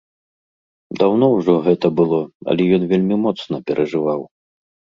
Даўно ўжо гэта было, але ён вельмі моцна перажываў.